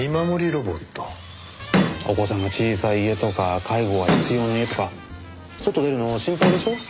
お子さんが小さい家とか介護が必要な家とか外出るの心配でしょ？